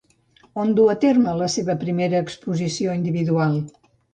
On duu a terme la seva primera exposició individual?